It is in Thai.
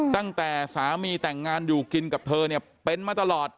ตั้งแต่สามีแต่งงานอยู่กินกับเธอเนี่ยเป็นมาตลอด